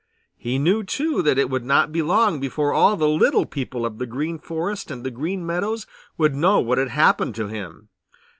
He knew, too, that it would not be long before all the little people of the Green Forest and the Green Meadows would know what had happened to him.